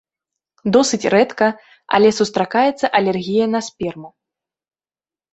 Досыць рэдка, але сустракаецца алергія на сперму.